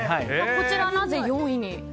こちら、なぜ４位に？